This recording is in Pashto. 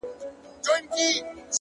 خندا چي تاته در پرې ايښې په ژرا مئين يم”